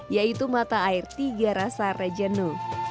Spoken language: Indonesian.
yaitu mata air tiga rasa rejenu